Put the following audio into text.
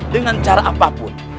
dengan cara apapun